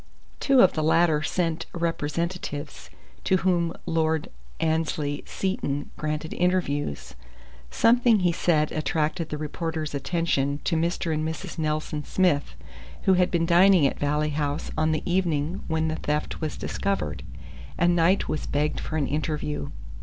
Two of the latter sent representatives, to whom Lord Annesley Seton granted interviews. Something he said attracted the reporters' attention to Mr. and Mrs. Nelson Smith, who had been dining at Valley House on the evening when the theft was discovered, and Knight was begged for an interview.